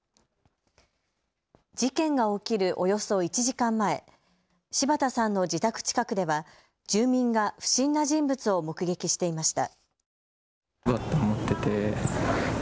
事件が起きるおよそ１時間前、柴田さんの自宅近くでは住民が不審な人物を目撃していました。